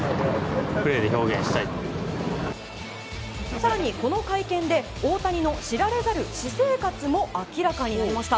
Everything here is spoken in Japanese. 更にこの会見で大谷の知られざる私生活も明らかになりました。